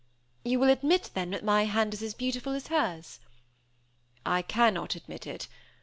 "You will admit, then, that my hand is as beautiful as hers?" "I cannot admit it.